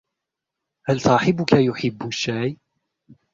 هل صاحبك يحب الشاي ؟